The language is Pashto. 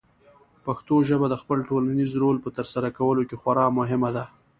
پښتو ژبه د خپل ټولنیز رول په ترسره کولو کې خورا مهمه ده.